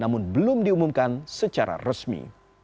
namun belum diumumkan secara resmi